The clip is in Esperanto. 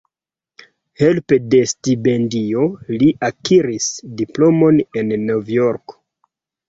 Helpe de stipendio li akiris diplomon en Novjorko.